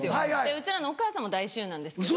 うちらのお母さんも大親友なんですけど。